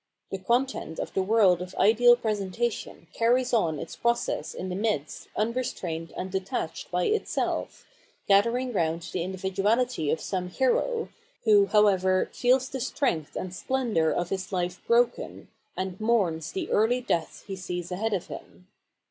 The content of the world of ideal presentation carries on its process in the midst unrestrained and detached by itself, gathering 744 Phenomenology of Mind round the individuality of some hero, who, howevef, feels the strength and splendour of his life broken, and mourns the early death he sees ahead of him.